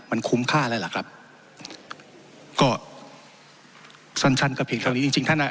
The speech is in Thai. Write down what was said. มันคุ้มค่าอะไรล่ะครับก็สันชันกับเห็นทางนี้จริงจริงท่านน่ะ